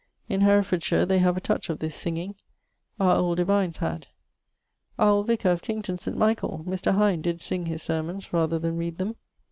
In Herefordshire they have a touch of this singing; our old divines had. Our old vicar of Kington St. Michael, Mr. Hynd, did sing his sermons rather then reade them.